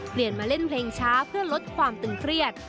เปลี่ยนมาเล่นเพลงช้าเพื่อลดความตึงเครียด